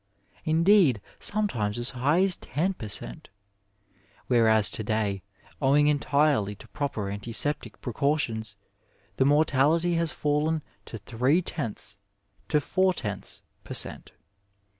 indeed sometimes as high as ten per cent., whereas to day, owing entirely to proper antiseptic precautions, the mortality has fallen to three tenths to four tenths per cent.